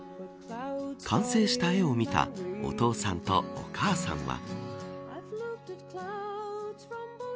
完成した絵を見たお父さんとお母さんは。